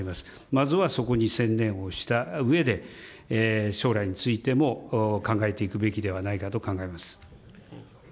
まずはそこに専念をしたうえで、将来についても考えていくべきではないかと考えます。